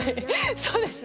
そうですね